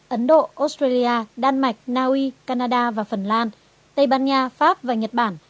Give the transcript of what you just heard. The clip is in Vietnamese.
ấn độ australia đan mạch naui canada và phần lan tây ban nha pháp và nhật bản